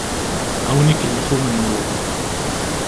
Ad awen-ikellex umennuɣ.